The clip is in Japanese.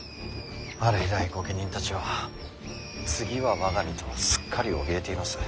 あれ以来御家人たちは次は我が身とすっかりおびえています。